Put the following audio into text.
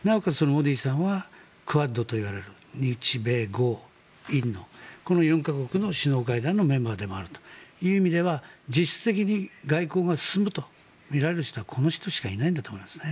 モディさんはクアッドといわれる日米豪印のこの４か国の首脳会談のメンバーでもあるという意味では実質的に外交が進むとみられる人はこの人しかいないんだと思います。